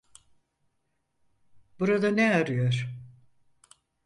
Burada ne arıyor?